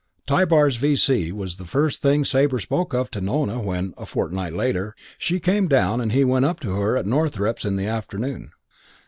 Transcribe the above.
III Tybar's V.C. was the first thing Sabre spoke of to Nona when, a fortnight later, she came down and he went up to her at Northrepps in the afternoon.